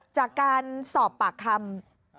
จากการสอบปากคำ